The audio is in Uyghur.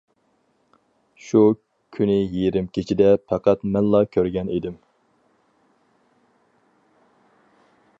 شۇ كۈنى يېرىم كېچىدە، پەقەت مەنلا كۆرگەن ئىدىم.